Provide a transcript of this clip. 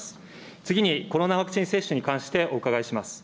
次にコロナワクチン接種についてお伺いします。